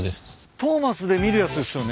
『トーマス』で見るやつっすよね？